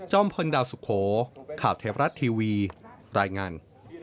พลดาวสุโขข่าวเทวรัฐทีวีรายงาน